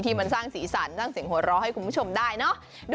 มันสร้างสีสันสร้างเสียงหัวเราะให้คุณผู้ชมได้เนอะ